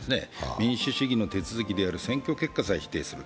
民主主義の手続きである選挙結果さえ否定する。